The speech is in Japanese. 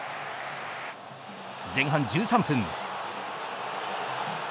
前半１３分。